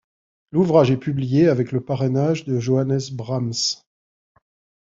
L'ouvrage est publié avec le parrainage de Johannes Brahms.